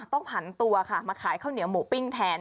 ผันตัวค่ะมาขายข้าวเหนียวหมูปิ้งแทน